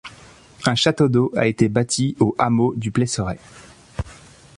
Un château d'eau a été bâti au hameau du Plesseret.